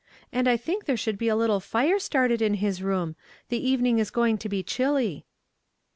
And I think there should be a little fire started in his room, the evening is going to be chilly."